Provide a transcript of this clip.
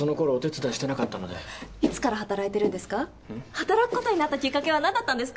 働くことになったきっかけは何だったんですか？